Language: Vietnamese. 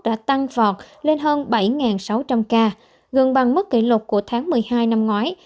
đã tăng vọt lên hơn bảy sáu trăm linh ca gần bằng mức kỷ lục của tháng một mươi hai năm ngoái